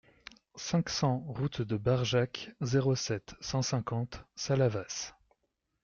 cinq cents route de Barjac, zéro sept, cent cinquante Salavas